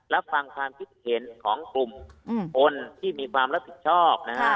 รับฟังความคิดเห็นของคนที่มีความรับผิดชอบ